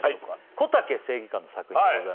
こたけ正義感の作品でございます。